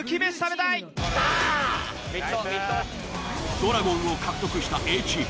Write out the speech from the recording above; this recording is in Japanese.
ドラゴンを獲得したＡチーム。